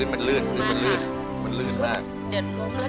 มันลื่นมาค่ะ